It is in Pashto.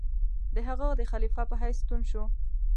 د هغه د خلیفه په حیث ستون شو.